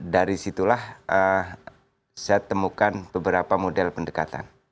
dari situlah saya temukan beberapa model pendekatan